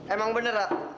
emang bener lah